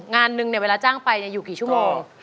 งานหนึ่งเวลาจ้างไปอยู่กี่ชั่วโมง